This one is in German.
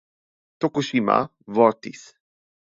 Tokushima Vortis